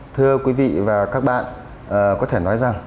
thưa quý vị và các bạn có thể nói rằng